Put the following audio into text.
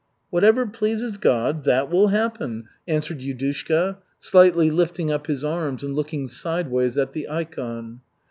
"Whatever pleases God, that will happen," answered Yudushka, slightly lifting up his arms and looking sideways at the ikon.